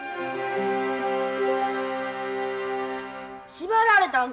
縛られたんか？